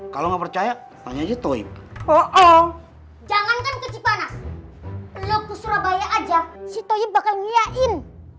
kalau nggak percaya tanya aja toib jangan ke cipanas lo ke surabaya aja si toib bakal ngelihain